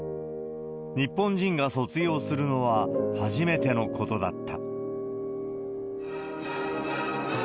日本人が卒業するのは初めてのことだった。